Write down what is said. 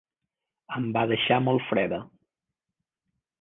Em va deixar molt freda.